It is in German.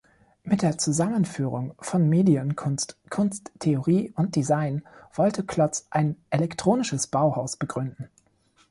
Mit der Zusammenführung von Medienkunst, Kunsttheorie und Design wollte Klotz ein „elektronisches Bauhaus“ begründen.